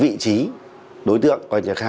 vị trí đối tượng